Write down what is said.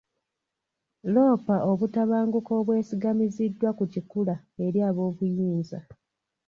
Loopa obutabanguko obwesigamiziddwa ku kikula eri ab'obuyinza.